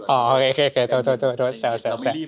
โอเคโทษโทษแซวแซว